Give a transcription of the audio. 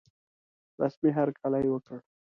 رسمي هرکلی وکړ.